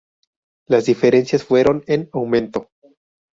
Las diferencias fueron en aumento.